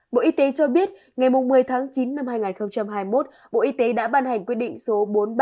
bộ y tế cho biết ngày một mươi tháng chín năm hai nghìn hai mươi một bộ y tế đã ban hành quyết định số bốn nghìn ba trăm năm mươi năm